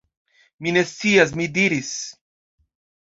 Mi ne scias, mi diris.